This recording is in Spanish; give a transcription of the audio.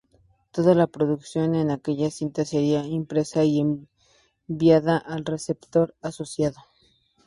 Toda la producción en aquella cinta sería impresa y enviada al receptor asociado.